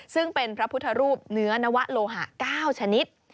ซึ่งเป็นพระพุทธรูปเนื้อนวะโลหะ๙ชนิด